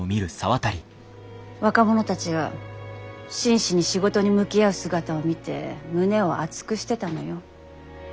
若者たちが真摯に仕事に向き合う姿を見て胸を熱くしてたのよ。